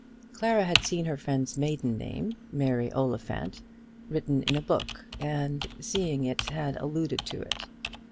Clara had seen her friend's maiden name, Mary Oliphant, written in a book, and seeing it had alluded to it.